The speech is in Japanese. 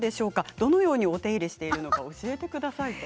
どのようにお手入れしているのか教えてくださいと。